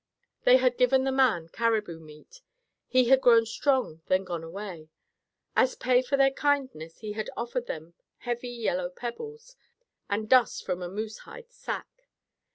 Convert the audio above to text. They had given the man caribou meat. He had grown strong, then had gone away. As pay for their kindness he had offered them heavy yellow pebbles and dust from a moosehide sack.